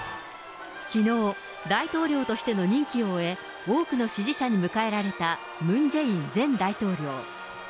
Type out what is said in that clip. きのう、大統領としての任期を終え、多くの支持者に迎えられたムン・ジェイン前大統領。